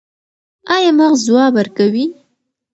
ایا مغز ځواب ورکوي؟